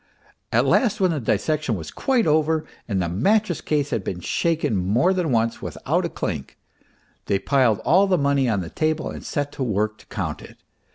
At last, when the dissection was quite over and the mattress case had been shaken more than once without a clink, they piled all the money on the table and set to work to count it.